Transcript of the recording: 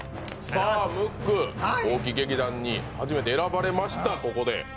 ムック、大木劇団に初めて選ばれました、ここで。